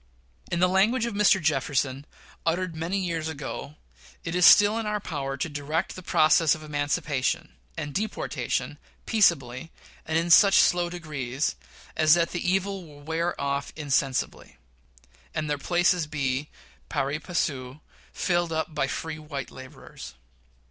In the language of Mr. Jefferson, uttered many years ago, "It is still in our power to direct the process of emancipation and deportation peaceably, and in such slow degrees as that the evil will wear off insensibly, and their places be, pari passu, filled up by free white laborers.